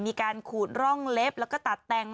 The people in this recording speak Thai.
มีการขูดร่องเล็บแล้วก็ตัดแต่ง